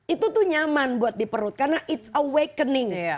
itu tuh nyaman buat di perut karena it's awakening